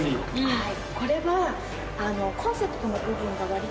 はい。